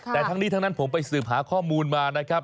แต่ทั้งนี้ทั้งนั้นผมไปสืบหาข้อมูลมานะครับ